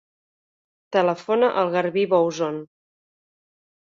Telefona al Garbí Bouzon.